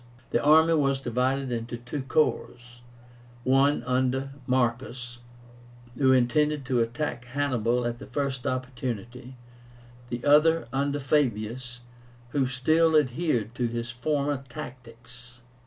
The army was divided into two corps; one under Marcus, who intended to attack Hannibal at the first opportunity; the other under Fabius, who still adhered to his former tactics.